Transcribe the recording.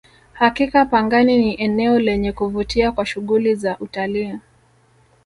hakika pangani ni eneo lenye kuvutia kwa shughuli za utalii